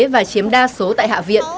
và chiếm đa số tại hạ viện